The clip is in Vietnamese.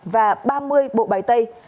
và ba mươi bộ bái tây